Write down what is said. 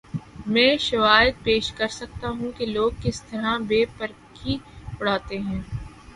میں شواہد پیش کر سکتا ہوں کہ لوگ کس طرح بے پر کی اڑاتے ہیں۔